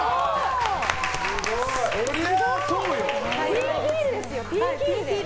ピンヒールですよ。